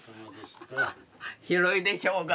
広いでしょうが。